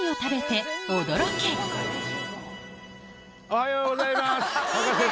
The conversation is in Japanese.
おはようございます葉加瀬